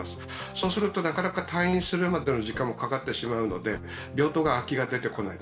そうすると退院するまでの時間もかかってしまうので、病棟も空きも出てこない。